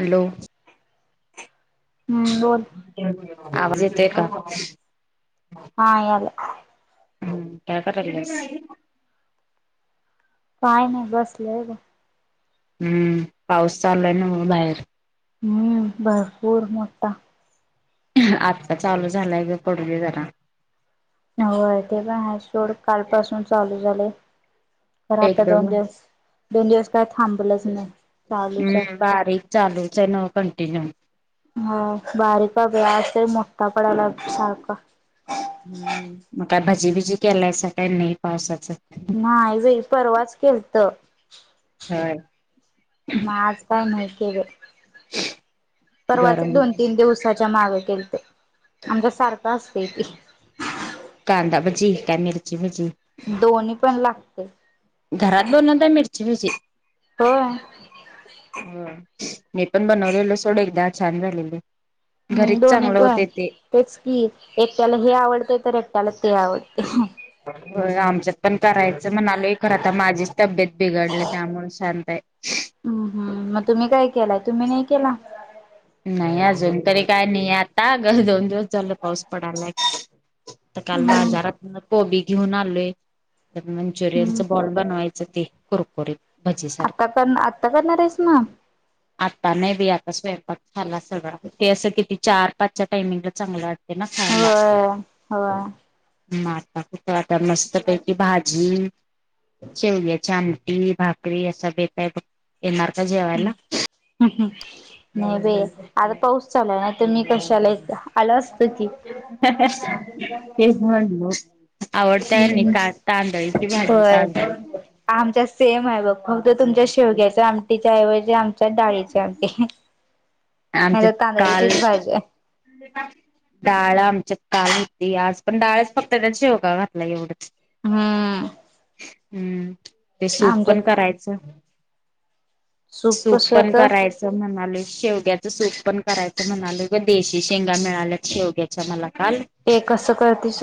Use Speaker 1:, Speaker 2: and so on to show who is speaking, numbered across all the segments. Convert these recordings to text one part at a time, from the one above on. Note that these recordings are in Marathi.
Speaker 1: हॅलो.
Speaker 2: हम्म बोल.
Speaker 1: आब जेते का.
Speaker 2: हा याला.
Speaker 1: हम्म काळकत.
Speaker 2: काय नाही बस लय ग.
Speaker 1: हम्म पाऊस चाललाय ना म्हणून बाहेर
Speaker 2: हम्म भरपूर मोठा
Speaker 1: आत्ता चालू झालाय ग पडली जरा.
Speaker 2: हो ते पण आहे सोड कालपासून चालू झाले. आता दोन दिवस दोन दिवस का
Speaker 1: हम्म बारीक चालूच आहे ना ओ कंटिन्यू
Speaker 2: हा बारीक व अस मोठा पडायला सारख
Speaker 1: हम्म म काय भजी भिजी केलाय स काही नाही पावसाचं
Speaker 2: नाही वई परवाच केलत. माज काय नाहीती र
Speaker 1: [unintelligible]
Speaker 2: परवाच एक दोन तीन दिवसाच्या माग केल आमचा सारखा असतय ते.
Speaker 1: कांदा भजी काय मिरची भजी
Speaker 2: दोन्ही पण लागते.
Speaker 1: घरात बोनता मिरची मिरची
Speaker 2: होय
Speaker 1: मी पण बनवलेलं सोडं एकदा छान झालेले.
Speaker 2: हम्म दोन पण तेच की एक्याला हे आवडतय तर कलते आवत.
Speaker 1: हो आमच्यात पण करायचं म्हणालो हे खर आता माझीच तब्येत बिघडल त्यामुळे शांत ये.
Speaker 2: हम्म हम्म मग तुम्ही काय केलाय तुम्ही नाही केला.
Speaker 1: नाही अजून तरी काय नाही आता दोन दिवस झालं पाऊस पडायला ये. तर काल
Speaker 2: हम्म
Speaker 1: आजारात कोबी घेऊन आलोय त्या मंचुरियनच
Speaker 2: हम्म.
Speaker 1: बॉल बनवायचं ते कुरकुरीत भजी सारखं
Speaker 2: रेशमा
Speaker 1: आत्ता नाही बी आता स्वयंपाक झाला सगळं ते असं किती चार पाचच्या टाइमिंगला चांगलं वाट
Speaker 2: होय हो
Speaker 1: म आता कुठं आता मस्तपैकी भाजी शेवयाचे आम ी भाकरी अस बेतय
Speaker 2: [unintelligible] नहीं आता पाऊस चालाय ना तर मी कशाला इथं आलो हो की. हम्म होय आमच्यात सेम आहे बघ. फक्त तुमच्या शेवग्याच्या आमटीच्या ऐवजी आमच्या डाळीची आमटी. नाही तर
Speaker 1: आमच्यात काल
Speaker 2: तांदळीचीच भाजी आहे
Speaker 1: [unintelligible] काल आमच काल होती आज पण डाळच फक्त त्यात शेवगा घातल्या एवढं.
Speaker 2: हम्म
Speaker 1: हम्म ते सूप पण
Speaker 2: आमच्यात
Speaker 1: करायचं. सूप पण करायचं म्हणाले शेवटी याच सूप पण करायच म्हणालो पण देशी शेंगा मिळाल्या शेवग्याच्या मला काल.
Speaker 2: ते कसं करतीस?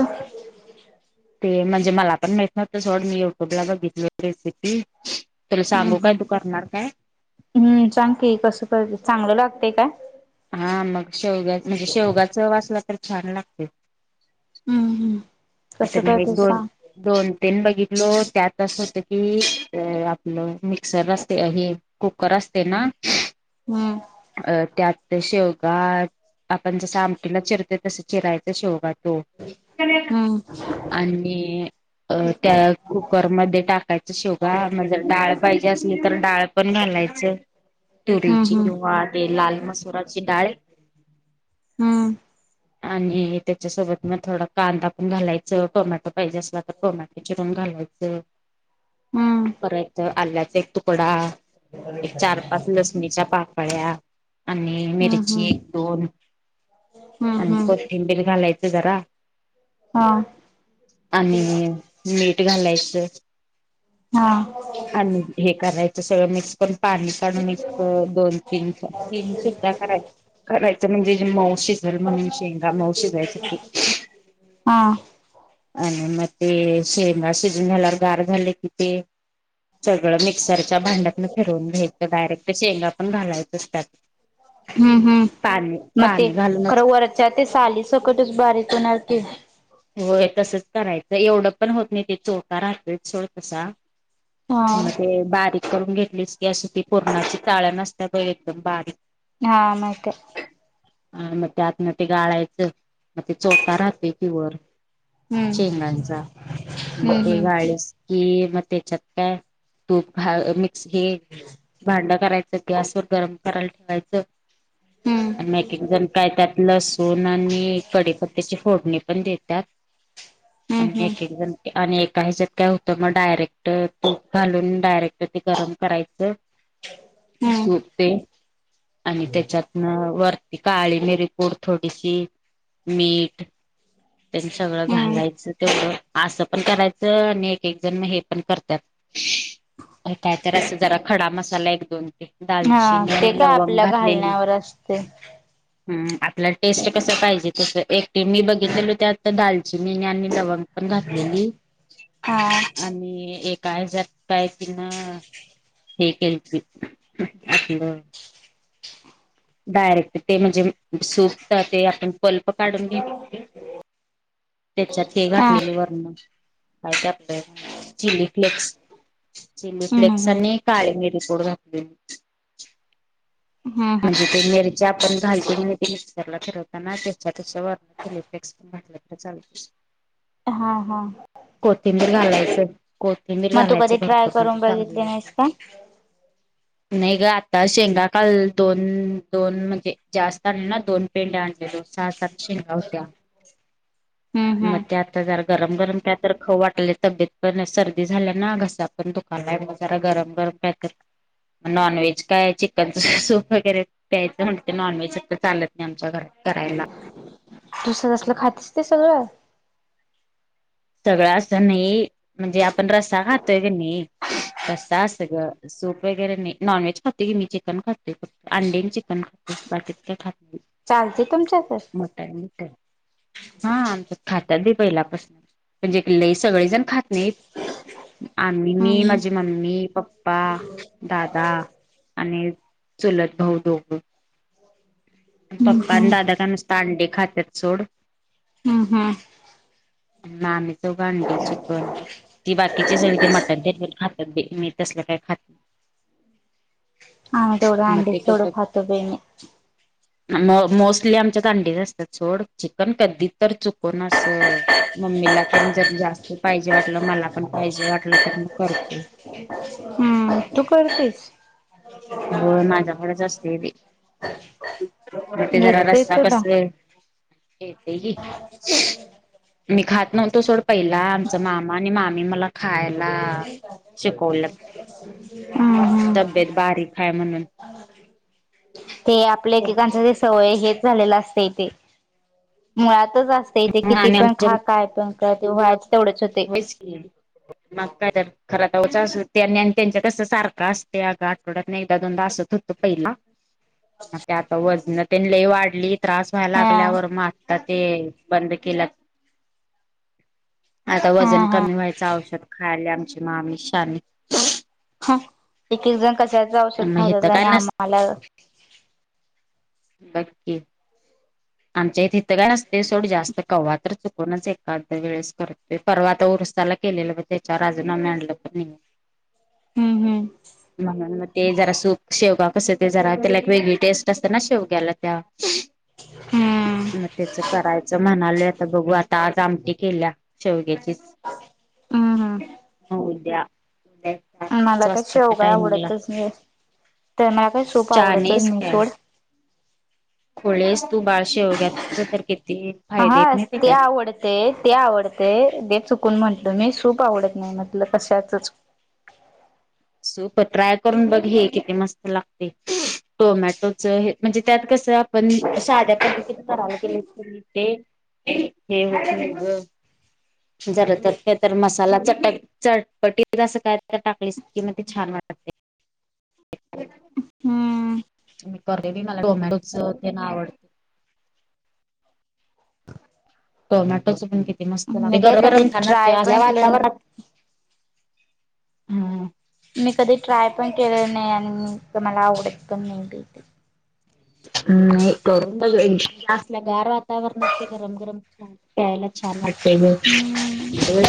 Speaker 1: ते म्हणजे मला पण माहित नव्हतं सोड मी युट्यूबला बघितल रेसिपी
Speaker 2: हम्म्म हम सांग की कसं करती चांगलं लागतय काय?
Speaker 1: हा मग शेवगा मजी शेवगा चव असला तर चव छान लागती.
Speaker 2: हम्म, हम्म. कसं
Speaker 1: [unintelligible]
Speaker 2: करतेस
Speaker 1: दोन,
Speaker 2: सांग?
Speaker 1: दोन बघितल त्यात असं होतं की आपलं मिक्सर असतय हे कुकर अस ते, ना
Speaker 2: हम्म
Speaker 1: अ शेवगा आपण जसं आमटीला चिरतोय तसं चिरायचं शेवगा [unintelligible]
Speaker 2: हम्म
Speaker 1: आणी अ त्या कुकरमध्ये टाकायचं शेवगा म्हणजे डाळ पाहिजे असली तर डाळ पण घाल
Speaker 2: हम्म
Speaker 1: तुरीची
Speaker 2: हम्म
Speaker 1: किंवा ते लाल मसुराची डाळ
Speaker 2: हम्म.
Speaker 1: आणि त्याच्यासोबत मग थोडा कांदा पण घालायचं टोमॅटो पाहिजे असला तर टोमॅटे चिरून घालायचं
Speaker 2: हम्म
Speaker 1: परत आल्या एक तुकडा, एक चार पाच लसणीच्या पाकळ्या. आणि
Speaker 2: हम्म हम्म
Speaker 1: मिरची
Speaker 2: हम्म.
Speaker 1: एक दोन,
Speaker 2: हम्म
Speaker 1: आणि
Speaker 2: हम्म
Speaker 1: कोथिंबीर घालायचं जरा
Speaker 2: हा
Speaker 1: आणि मीठ घालायचं.
Speaker 2: [unintelligible]
Speaker 1: आणि हे करायचं सगळं मिक्स पण पाणी काढून इतकं एक, दोन, तीन, तीन शिट्ट्या कराय करायचं म्हणजे जे मऊ शिजलं म्हणून शेंगा मऊ शिजायसाठी.
Speaker 2: हां
Speaker 1: आणि मग ते शेंगा शिजवून झाल्यावर गार झाल्या की ते सगळं मिक्सरच्या भांड्यातनं फिरवून घ्यायचं डायरेक्ट शेंगा पण घालायचं.
Speaker 2: हम्म हम्म. मग ते खरं वरच्या ते साली सकटच बारीक होणार की.
Speaker 1: होय तसंच करायचं एवढं पण होत नाही ते चोथा राहतोयच थोड तसा.
Speaker 2: हा.
Speaker 1: मग ते बारीक करून घेतलीस की अशी ती पुरणाची चाळण असतीया बघ ग एकदम बारीक
Speaker 2: हा माहितये.
Speaker 1: अ, मग त्यातन ते गाळायचं मग ते चोथा राहतूय [unintelligible]
Speaker 2: हम्म
Speaker 1: शेंगांचा मग
Speaker 2: हम्म
Speaker 1: ते
Speaker 2: हम्म
Speaker 1: गाळलीस की मग त्याच्यात काय तूप घा मिक्स हे भांड करायच गॅसवर गरम करायला ठेवायचं.
Speaker 2: हम्म
Speaker 1: अन मग एकेकजण काय त्यात लसूण आणि कडीपत्तेची फोडणी ण देतात
Speaker 2: हम्म
Speaker 1: आणि
Speaker 2: हम्म.
Speaker 1: एकेक जण [unintelligible] याच्यात काय होतं मग डायरेक्ट तूप घालून डायरेक्ट ते गरम करायचं..
Speaker 2: हम्म.
Speaker 1: सूप ते आणि त्याच्यातन काळी मेरी पूड थोडीशी मीठ सगळं
Speaker 2: हम्म
Speaker 1: घालायचं तेवढं त्यांनी असं पण करायचं आणि एक एक जण हे पण करतात कायत अस जरा खडा मसाला एक दोन
Speaker 2: हा
Speaker 1: दालचिनी
Speaker 2: ते
Speaker 1: आणि
Speaker 2: काय
Speaker 1: लवंग
Speaker 2: आपल्या
Speaker 1: घातलेली
Speaker 2: घालण्यावर असते.
Speaker 1: ह आपला टेस्ट कस पाहिजे तस एकट मी बघितलेलो त्या आता दालचिनी आणि लवंग घातलेली
Speaker 2: हा
Speaker 1: आणि एक काय जात काय तिन हे केल आपलं डायरेक्ट ते म्हणजे सूप ते आपण बल्प काढून घेले त्याच्यात हे
Speaker 2: हा
Speaker 1: घाातलेले वर्ण काय ते आपल्या चिली फ्लेक्स चिली
Speaker 2: हम्म
Speaker 1: फ्लेक्स
Speaker 2: हम्म
Speaker 1: आणि काळे मिर [unintelligible]
Speaker 2: हम्म
Speaker 1: म्हणजे तेंगरीच्या घालते मिक्सरला फिरवताना त्याच्या व चिलीफ्लेस पण घात तर चालत
Speaker 2: हा हा
Speaker 1: कोथिंबीर घालायची कोथिंबीर
Speaker 2: मग तू
Speaker 1: घालायच
Speaker 2: कधी ट्राय
Speaker 1: भरपूर म्हणजे
Speaker 2: करून
Speaker 1: चांगली.
Speaker 2: बघितली नाहीस का
Speaker 1: नाही ग आता शेंगाकाल दोन दोन म्हणजे जास्त आ ना दोन. पेंड आणलेलो सहा सात शेंगा होत्या
Speaker 2: हम्म
Speaker 1: मग
Speaker 2: हम्म
Speaker 1: त्या आता जरा गरम गरम काय तर खाऊ वाटले तब्येत पण सर्दी झाल्या ना घसा पण दुकाला जरा गरम गरम. तर नॉन व्हेज काय चिकनच सूप. वगैरे या्यायं म्हणते ते नॉन व्हेज तर चालत नाही आमच्या घरात.
Speaker 2: दुसरं असलं खातच ते सगळं.
Speaker 1: सगळं असं नाही म्हणजे आपण रसा खातोय की नाही. रस्सा असं ग सूप वगैरे नाही नॉन व्हेज खाते की मी चिकन खाते फक् अंडी चिकन खाते. बाकीचे खात
Speaker 2: चालते तुमच्या तर.
Speaker 1: हा आमच खाता पहिल्यापासून. म्हणजे क लई सगळेजण खात नाहीत. आम्हीही
Speaker 2: हम्म
Speaker 1: मी माझी
Speaker 2: हम्म
Speaker 1: मम्मी पप्पा दादा आणि. चुलत भाऊ दोघ. पप्पा आणि
Speaker 2: हम्म
Speaker 1: दादा काय नुसते अंडी खातात सोड.
Speaker 2: हम्म हम्
Speaker 1: [unintelligible] अंडी चिकन ती बाकीचे सगळी ते मटन खातात मी तसलं काही खात
Speaker 2: हम् आम्ही तेवढा अंड्याचा खातो ते नाही
Speaker 1: म मोस्टली आमच्या तांडीच असतात सोड चिकन कधी तर चुकून अस मम्मीला ते जर जास्त पाहिजे वाटलं मला पण पाहिजे वाटलं तर मग करतो
Speaker 2: हम्म तू करतेस
Speaker 1: हो माझ्याकडेच असते ते ते जरा
Speaker 2: येतय
Speaker 1: रस्ता
Speaker 2: तुला
Speaker 1: कस आहे ते ते मी खात नव्हतो सोड पहिला आमचा मामा आणि मामी मला खायला शिकवलं
Speaker 2: हम्म हम्म
Speaker 1: तब्येत बारीक आहे म्हणून
Speaker 2: ते आपल्या एकेकांच ते सवय हेच झालेला असते तेे मुळात असत इथे किती पण खा काय पण तेव्हा
Speaker 1: हाक मग काय जर खर जाच अस त्यांच्या कस सारखं असते अग आठवड्यात एकदा दोनदा असत होत पहिल ना म ते आता वजन ते लई वाढली त्रास व्हायला
Speaker 2: हा
Speaker 1: लागल्यावर म आता ते बंद केल्यात. आता वजन
Speaker 2: हा हा
Speaker 1: कमी व्हायचं औषध खायला आमची मामी शानी.
Speaker 2: हा एक एक जण कशाच औषध खात्यात आणि आम्हाला
Speaker 1: बक्की. आमच्या इथ इथं काय नसतय सोड जास्त कव्हा तर चुकूनच एखा्दया वेळेस करतोय परवा आता उर साला केलेलं ब त्याच्या वर आम्ही आणलं पण नाही.
Speaker 2: हम्म हम्म.
Speaker 1: म्हणून म ते जरा सूप शेवगा कस ते जरा त्याला एक वेगळी टेस्ट असते ना शेवग्याला त्या
Speaker 2: हम्म
Speaker 1: म त्याच करायचं म्हणाले आता बघू आता आज आमटी केल्या शेवग्याची चीच.
Speaker 2: हम्म हम्म
Speaker 1: उद्या चार
Speaker 2: मला
Speaker 1: पाच
Speaker 2: काय
Speaker 1: वाजताच्या
Speaker 2: शेवगा
Speaker 1: टाइमिंगला.
Speaker 2: आवडतच नाही. तर मला काही सूप
Speaker 1: शाणी या
Speaker 2: आवडतच
Speaker 1: हाईस
Speaker 2: नाही
Speaker 1: काय?
Speaker 2: सोड.
Speaker 1: खुळी आहिस तू बाळ शेवग्याच तर किती
Speaker 2: हा ते आवडतय ते आवडतय ते चुक चकून म्हंटल मी सूप आवडत नाही म्हटलं कशाचच.
Speaker 1: ट्राय करून बघ हे कि मस्त लागते टोमॅटोच म्हणजे त्यात कस पण साध्या पद्धती कराला गेलीस कणी ते हे होतय ग. जरा त्यात काय तर मसाला च चटपटीत आस काय तर टाकली की म ते छान वाटते.
Speaker 2: हम्म.
Speaker 1: मी करतोय बाई मला ते टोमॅटोच तेन आवडतय. टोमॅटोच पण किती मस्त लागतय,
Speaker 2: मी
Speaker 1: ते
Speaker 2: काय कधी
Speaker 1: गरम खाणार
Speaker 2: ट्राय
Speaker 1: असल्या
Speaker 2: पण केलं
Speaker 1: वातावरणात हम्म.
Speaker 2: मी कधी ट्राय पण केलं नाही आणि मला आवडत पण नाही ते.
Speaker 1: नाही करून बग आसल्या गार वातावरणात ते गरम गरम छान प्यायला छान वाटतय. ते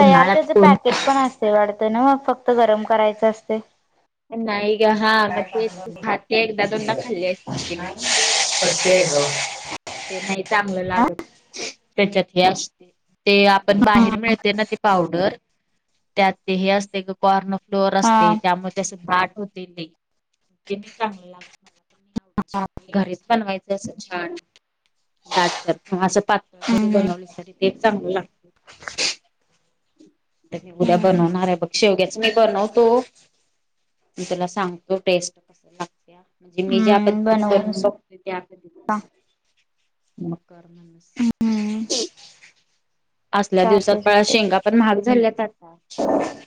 Speaker 1: उनाळ्यात कोन ख
Speaker 2: नव फक्त गरम करायचं असतय. [inaudible] [inaudible]
Speaker 1: ते नाही चांगलं लागत. त्याच्यात हे असतय. ते आपण बाहेर मिळते ना ते पावडर त्यात ते हे असतय ग कॉर्न फ्लोअर
Speaker 2: हा
Speaker 1: असतय त्यामूळ असे दाट होतय ते नाही ते नाही चांगलं लागत. घरीच बनवायचं असं छान दाटसर असं पातळ जरी
Speaker 2: हम्म
Speaker 1: बनवलीस तरी ते चांगलं लागतय. तर मी उद्या
Speaker 2: हम्म
Speaker 1: बनवणार आहे बघ शेवग्याच मी बनवतो मी तुला सांगतो टेस्ट कस लागत्या. की मी ज्या
Speaker 2: हम्म
Speaker 1: पद्धतीने
Speaker 2: बनवून
Speaker 1: बनून बघतोय त्या पद्धतीने [unintelligible]
Speaker 2: चालतय चलताय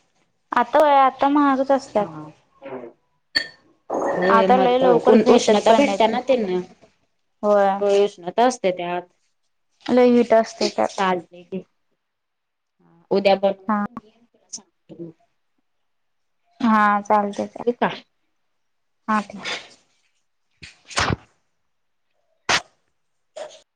Speaker 2: आता व आता महागच असत्यात.
Speaker 1: होय मग उष्णता भेटत्या
Speaker 2: नाहीत
Speaker 1: ना ते न होय उष्णता असते त्यात.
Speaker 2: लय हिट असते त्यात.
Speaker 1: ह उद्या ब म
Speaker 2: हा
Speaker 1: तुला सांग
Speaker 2: हा चालत चालतय हा ठेव. [inaudible] [inaudible]